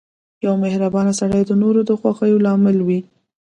• یو مهربان سړی د نورو د خوښۍ لامل وي.